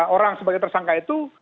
orang sebagai tersangka itu